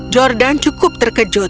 jordan cukup terkejut